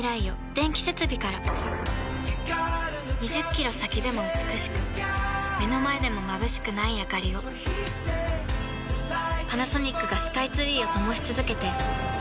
２０キロ先でも美しく目の前でもまぶしくないあかりをパナソニックがスカイツリーを灯し続けて今年で１０年